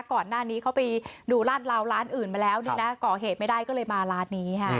ก่อนหน้านี้เขาไปดูลาดราวร้านอื่นมาแล้วด้วยนะก่อเหตุไม่ได้ก็เลยมาร้านนี้ค่ะ